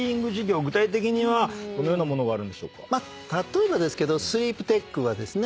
例えばですけどスリープテックはですね